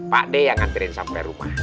pak d yang nganterin sampai rumah